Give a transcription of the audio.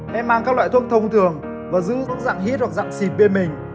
hãy mang các loại thuốc thông thường và giữ dưỡng dạng hít hoặc dạng xịt bên mình